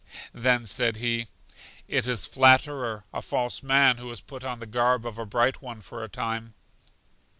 Then said he: It is Flatterer, a false man, who has put on the garb of a Bright One for a time.